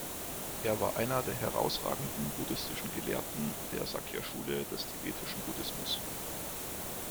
Er war einer der herausragenden buddhistischen Gelehrten der Sakya-Schule des tibetischen Buddhismus.